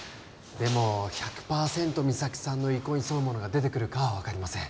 でも１００パーセント三咲さんの意向に沿うものが出てくるかは分かりません